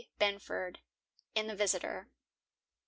Binford, in the Visitor_.